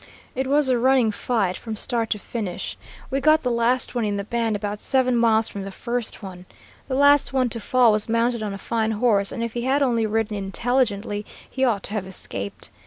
"It was a running fight from start to finish. We got the last one in the band about seven miles from the first one. The last one to fall was mounted on a fine horse, and if he had only ridden intelligently, he ought to have escaped.